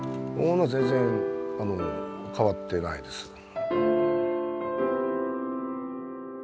全然変わってないです。